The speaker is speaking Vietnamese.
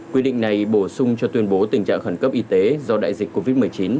quy định này bổ sung cho tuyên bố tình trạng khẩn cấp y tế do đại dịch covid một mươi chín